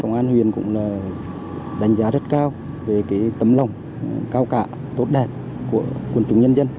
công an huyền cũng đánh giá rất cao về tấm lòng cao cả tốt đẹp của quân chúng nhân dân